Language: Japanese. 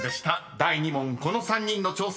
［第２問この３人の挑戦